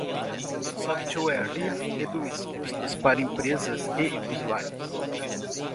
Software livre reduz custos para empresas e usuários.